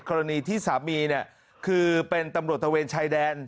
กรณีที่สามีเนี่ยคือเป็นตำรวจตะเวนชายแดน